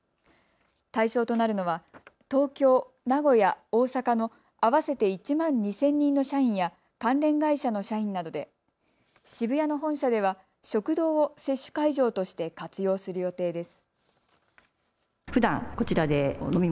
対象となるのは東京、名古屋、大阪の合わせて１万２０００人の社員や関連会社の社員などで渋谷の本社では食堂を接種会場として活用する予定です。